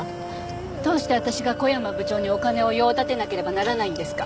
どうして私が小山部長にお金を用立てなければならないんですか？